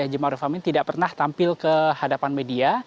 kehajim maruf amin tidak pernah tampil ke hadapan media